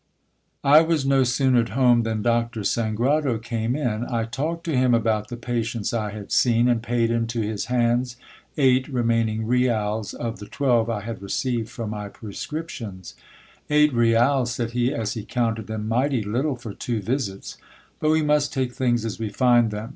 I was no sooner at home than Doctor Sangrado came in. I talked to him about the patients I had seen, and paid into his hands eight remaining rials of the twelve I had received for my prescriptions. Eight rials ! said he, as he counted them, mighty little for two visits ! But we must take things as we find them.